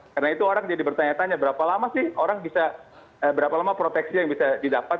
karena itu orang jadi bertanya tanya berapa lama sih orang bisa berapa lama proteksi yang bisa didapat